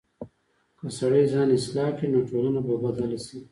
که سړی ځان اصلاح کړي، نو ټولنه به بدله شي.